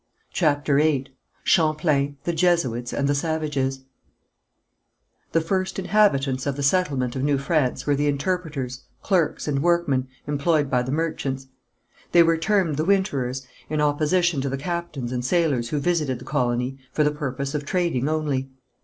CHAPTER VIII CHAMPLAIN, THE JESUITS AND THE SAVAGES The first inhabitants of the settlement of New France were the interpreters, clerks, and workmen, employed by the merchants. They were termed the winterers, in opposition to the captains and sailors who visited the colony for the purpose of trading only.